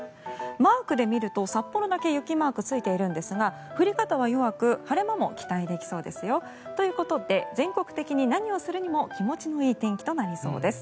マークで見ると札幌だけ雪マークついてるんですが降り方は弱く晴れ間も期待できそうですよ。ということで全国的に何をするにも気持ちのいい天気となりそうです。